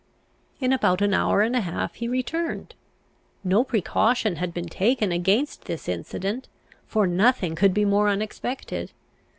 In about an hour and a half he returned. No precaution had been taken against this incident, for nothing could be more unexpected.